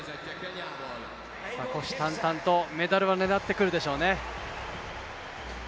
虎視眈々とメダルは狙ってくるでしょうね。